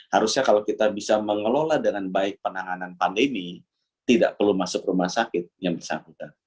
harusnya kalau kita bisa mengelola dengan baik penanganan pandemi tidak perlu masuk rumah sakit yang bersangkutan